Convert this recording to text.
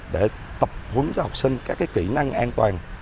để tập huấn cho học sinh các kỹ năng an toàn